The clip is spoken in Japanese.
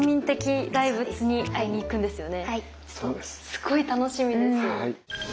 すごい楽しみです！